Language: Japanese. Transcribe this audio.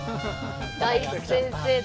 大先生だ。